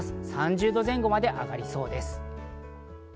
３０度前後まで上がりそうです。